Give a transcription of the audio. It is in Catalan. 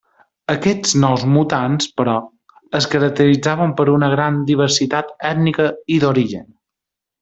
Aquests nous mutants, però, es caracteritzaven per una gran diversitat ètnica i d'origen.